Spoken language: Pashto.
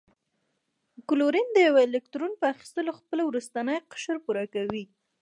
کلورین د یوه الکترون په اخیستلو خپل وروستنی قشر پوره کوي.